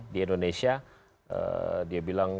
di indonesia dia bilang